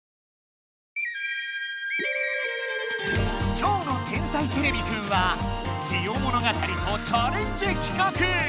きょうの「天才てれびくん」は「ジオ物語」とチャレンジきかく！